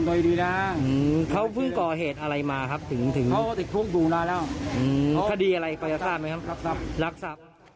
คดีอะไรปรยศาสน์แล้วลักษณะ